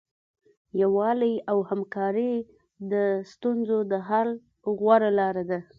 یووالی او همکاري د ستونزو د حل غوره لاره ده.